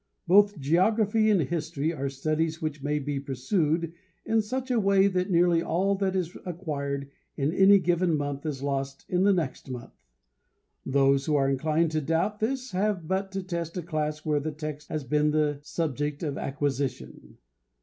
Both geography and history are studies which may be pursued in such a way that nearly all that is acquired in any given month is lost in the next month. Those who are inclined to doubt this have but to test a class where the text has been the subject of acquisition.